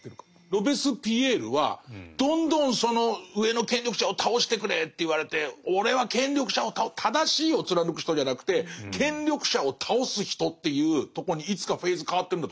ロベスピエールはどんどんその上の権力者を倒してくれって言われて俺は権力者を倒す「正しいを貫く人」じゃなくて「権力者を倒す人」っていうとこにいつかフェーズ変わってるんだと思うんですよ。